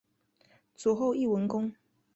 卒后谥文恭。